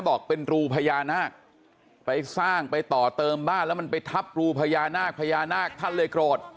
บอกเป็นรูพญานาคไปสร้างไปต่อเติมบ้านแล้วมันไปทับรูพญานาคพญานาคท่านเลยโกรธ